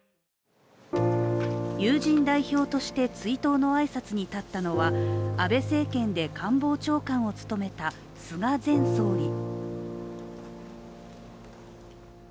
友人代表として追悼の挨拶に立ったのは安倍政権で官房長官を務めた菅前総理。